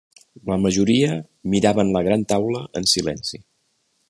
La majoria miraven la gran taula en silenci.